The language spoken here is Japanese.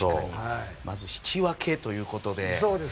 まず引き分けということで。